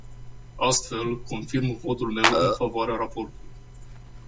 Astfel, confirm votul meu în favoarea raportului.